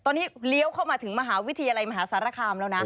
ตอนนี้เลี้ยวเข้ามาถึงมหาวิทยาลัยมหาสารคามแล้วนะ